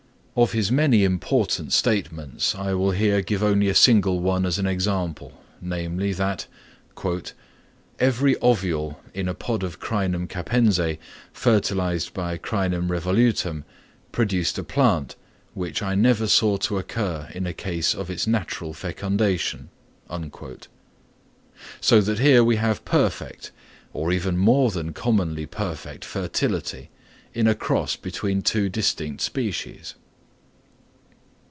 Of his many important statements I will here give only a single one as an example, namely, that "every ovule in a pod of Crinum capense fertilised by C. revolutum produced a plant, which I never saw to occur in a case of its natural fecundation." So that here we have perfect, or even more than commonly perfect fertility, in a first cross between two distinct species.